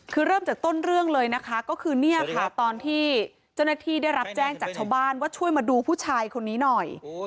คือเริ่มจากต้นเรื่องเลยนะคะก็คือเนี่ยค่ะตอนที่เจ้าหน้าที่ได้รับแจ้งจากชาวบ้านว่าช่วยมาดูผู้ชายคนนี้หน่อย